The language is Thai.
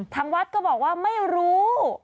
ทางวัดก็บอกว่าไม่รู้